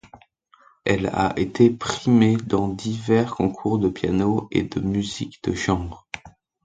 Elle a été primée dans divers concours de piano et de musique de chambre.